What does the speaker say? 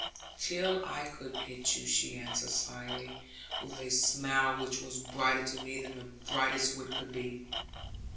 'Till I could get you,' she answered slyly, with a smile which was brighter to me than the brightest wit could be.